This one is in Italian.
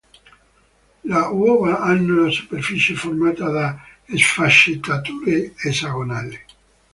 Le uova hanno la superficie formata da sfaccettature esagonali.